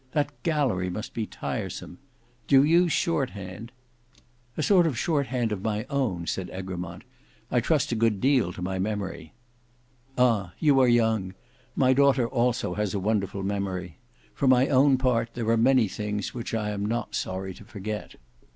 That gallery must be tiresome. Do you use shorthand?" "A sort of shorthand of my own," said Egremont. "I trust a good deal to my memory." "Ah! you are young. My daughter also has a wonderful memory. For my own part, there are many things which I am not sorry to forget."